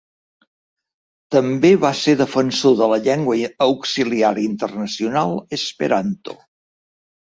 També va ser defensor de la llengua auxiliar internacional esperanto.